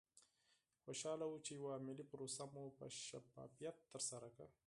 خوشحاله وو چې یوه ملي پروسه مو په شفافیت ترسره کړه.